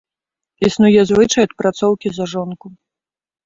Існуе звычай адпрацоўкі за жонку.